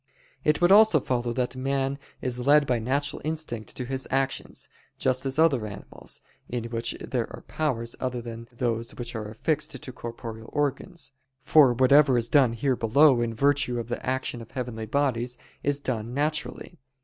It would also follow that man is led by natural instinct to his actions, just as other animals, in which there are powers other than those which are affixed to corporeal organs: for whatever is done here below in virtue of the action of heavenly bodies, is done naturally.